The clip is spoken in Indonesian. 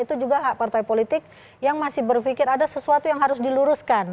itu juga hak partai politik yang masih berpikir ada sesuatu yang harus diluruskan